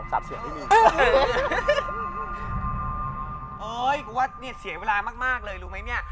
กรูปว่าเนี่ยเสียเวลามากเลยรู้มั้ยเนี่ย